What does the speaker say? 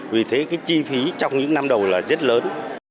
vì thế cái chi phí trong những năm đầu là rất lớn